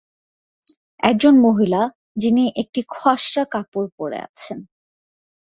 একজন মহিলা, যিনি একটি খসড়া পোশাক পরে আছেন